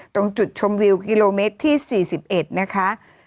ตรงจุดชมวิวกิโลเมตรที่๔๑นะคะ